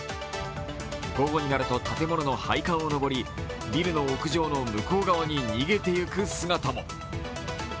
午後になると建物の配管を上りビルの屋上の向こう側に逃げていく姿も。